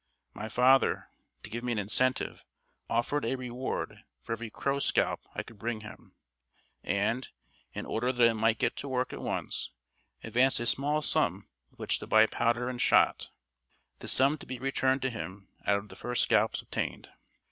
My father, to give me an incentive, offered a reward for every crow scalp I could bring him, and, in order that I might get to work at once, advanced a small sum with which to buy powder and shot, this sum to be returned to him out of the first scalps obtained.